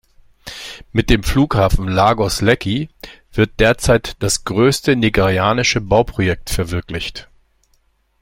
Mit dem Flughafen Lagos-Lekki wird derzeit das größte nigerianische Bauprojekt verwirklicht.